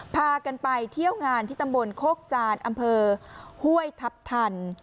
พากันไปเที่ยวงานที่ตำบลโคกจานอำเภอห้วยทัพทัน